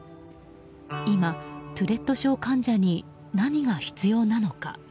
今、トゥレット症患者に何が必要なのか。